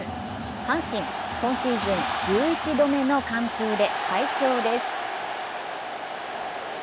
阪神、今シーズン１１度目の完封で快勝です。